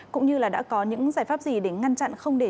cũng như là đã có những giải pháp gì để ngăn chặn không để